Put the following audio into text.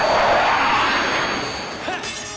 ハッ！